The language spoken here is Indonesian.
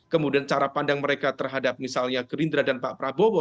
kemudian cara pandang mereka terhadap misalnya gerindra dan pak prabowo